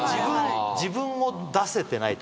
自分を出せてないとか。